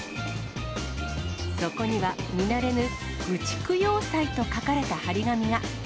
そこには見慣れぬ、愚痴供養祭と書かれた貼り紙が。